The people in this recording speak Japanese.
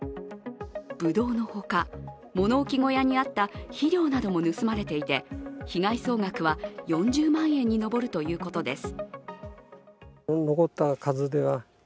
ぶどうのほか、物置小屋にあった肥料なども盗まれていて、被害総額は４０万円に上るということです。